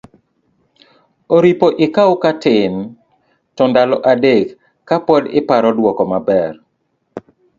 oripo ikaw katin to ndalo adek ka pod iparo dwoko maber,